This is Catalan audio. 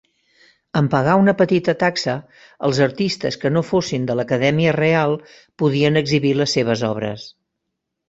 En pagar una petita taxa, els artistes que no fossin de l'Acadèmia Real podien exhibir les seves obres.